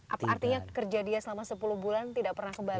apa artinya kerja dia selama sepuluh bulan tidak pernah kembali